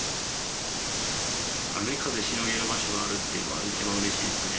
雨風しのげる場所があるっていうのは、一番うれしいですね。